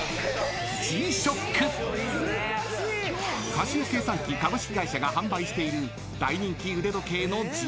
［カシオ計算機株式会社が販売している大人気腕時計のＧ−ＳＨＯＣＫ］